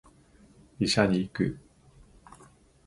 医者に行く